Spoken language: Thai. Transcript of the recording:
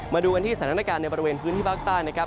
มาดูกันที่สถานการณ์ในบริเวณพื้นที่บ้านซ้าย